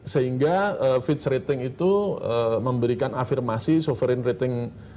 sehingga fitch rating itu memberikan afirmasi sovereig rating